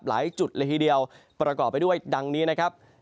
หลายจุดเลยทีเดียวประกอบไปด้วยดังนี้นะครับ